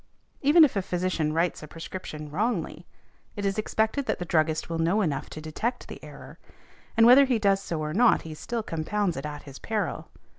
Even if a physician writes a prescription wrongly it is expected that the druggist will know enough to detect the error, and whether he does so or not he still compounds it at his peril.